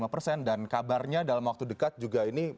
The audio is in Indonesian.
lima persen dan kabarnya dalam waktu dekat juga ini